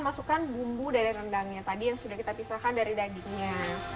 masukkan bumbu dari rendangnya tadi yang sudah kita pisahkan dari dagingnya